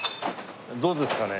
どうですかね？